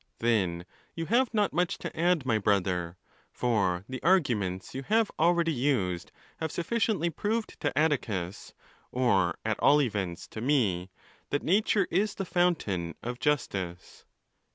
—Then you have not much to add, my 'brother, for the. arguments you have already used have suf 'A414 ON THE LAWS. ficiently proved to Atticus, or at all events to me, that nature is the fountain of justice.